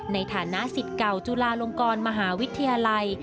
ในฐานะสิทธิ์เก่าจุฬาลงกรมหาวิทยาลัย